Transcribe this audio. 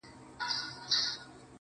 د خپل جېبه د سگريټو يوه نوې قطۍ وا کړه.